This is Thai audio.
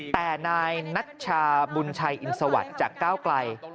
แต่นายนัชชาบุญชัยอินสวัสดิ์จากก้าวไกล